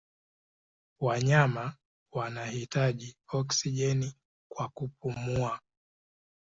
Wanyama wanahitaji oksijeni kwa kupumua.